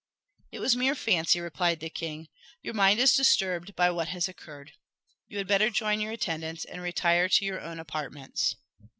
"It was mere fancy," replied the king. "Your mind is disturbed by what has occurred. You had better join your attendants, and retire to your own apartments."